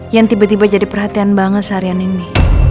yang tiba tiba jadi perhatian banget seharian ini